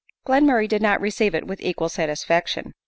Glenmurray did not receive it with equal satisfaction.